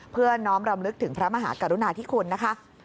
เพื่อน้อมรำลึกถึงพระมหากรุณาธิคุณนะคะ